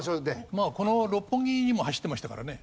まあこの六本木にも走ってましたからね。